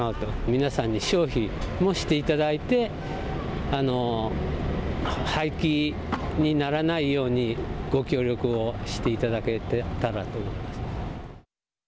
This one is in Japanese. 皆さんに消費をしていただいて廃棄にならないようにご協力をしていただけたらと思います。